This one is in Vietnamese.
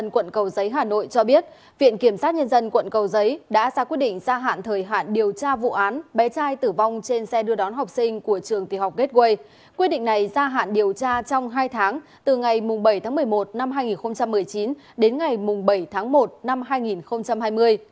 quyết định này ra hạn điều tra trong hai tháng từ ngày bảy tháng một mươi một năm hai nghìn một mươi chín đến ngày bảy tháng một năm hai nghìn hai mươi